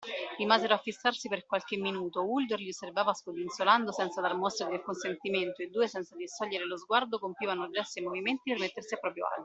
Rimasero a fissarsi per qualche minuto: Uldor li osservava scodinzolando senza dar mostra di alcun sentimento e i due, senza distogliere lo sguardo, compivano gesti e movimenti per mettersi a proprio agio.